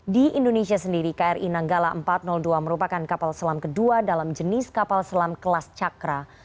di indonesia sendiri kri nanggala empat ratus dua merupakan kapal selam kedua dalam jenis kapal selam kelas cakra